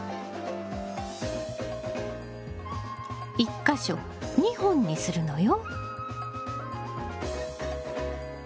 １か所２本にするのよ。